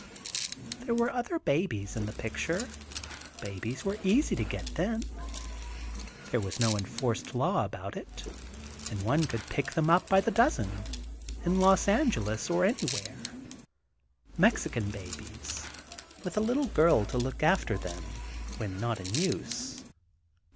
There were other babies in the picture. Babies were easy to get, then. There was no enforced law about it, and one could pick them up by the dozen, in Los Angeles, or anywhere—Mexican babies—with a little girl to look after them when not in use.